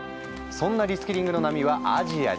そんなリスキリングの波はアジアにも。